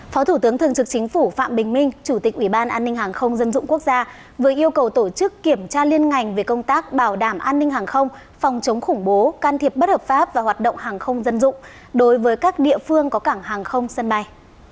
phó thủ tướng thường trực chính phủ phạm bình minh chủ tịch ủy ban an ninh hàng không dân dụng quốc gia vừa yêu cầu tổ chức kiểm tra liên ngành về công tác bảo đảm an ninh hàng không phòng chống khủng bố can thiệp bất hợp pháp và hoạt động hàng không dân dụng đối với các địa phương có cảng hàng không sân bay